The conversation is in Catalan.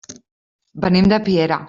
Venim de Piera.